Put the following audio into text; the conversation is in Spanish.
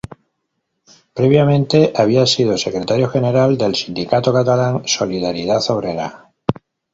Previamente había sido Secretario General del sindicato catalán Solidaridad Obrera.